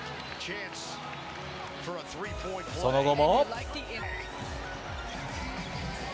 その後も。